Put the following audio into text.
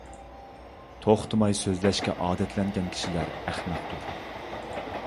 توختىماي سۆزلەشكە ئادەتلەنگەن كىشىلەر ئەخمەقتۇر.